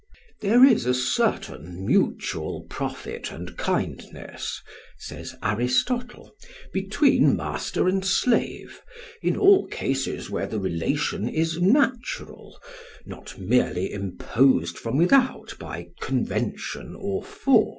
"There is a certain mutual profit and kindness," says Aristotle, "between master and slave, in all cases where the relation is natural, not merely imposed from without by convention or force."